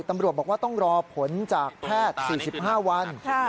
ตำรวจบอกว่าต้องรอผลจากแพทย์๔๕วัน